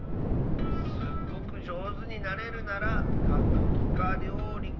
すっごくじょうずになれるならがっきかりょうりか。